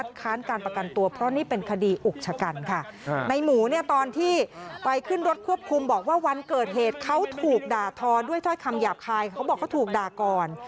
ด้วยท่อคำหยาบคายเขาบอกเขาถูกด่าก่อน